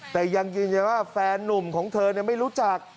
แต่ยังยืนยันว่าแฟนนุ่มของเธอไม่รู้จัก